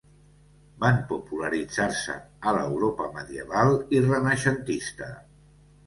Van popularitzar-se a l'Europa medieval i renaixentista.